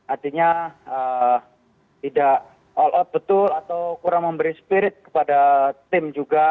artinya tidak all out betul atau kurang memberi spirit kepada tim juga